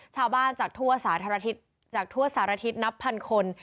จากทั่วสารทิศจากทั่วสารทิศนับพันคน